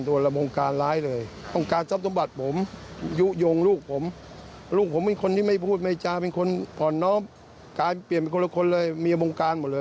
ที่แรกนะฉันฉีดสลิง